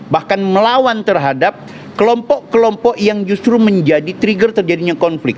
bahkan melawan terhadap kelompok kelompok yang justru menjadi trigger terjadinya konflik